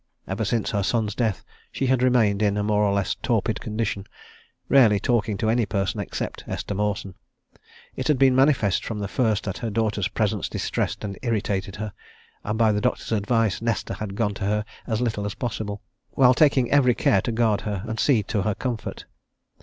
Ever since her son's death she had remained in a more or less torpid condition, rarely talking to any person except Esther Mawson: it had been manifest from the first that her daughter's presence distressed and irritated her, and by the doctor's advice Nesta had gone to her as little as possible, while taking every care to guard her and see to her comfort.